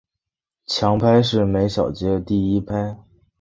强拍是每小节第一拍。